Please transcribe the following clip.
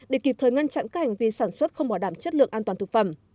để kịp thời ngăn chặn các hành vi sản xuất không bỏ đảm chất lượng an toàn thực phẩm